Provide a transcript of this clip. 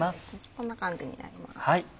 こんな感じになります。